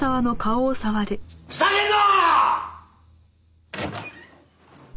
ふざけるな！！